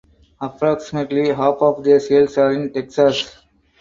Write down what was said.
Approximately half of their sales are in Texas.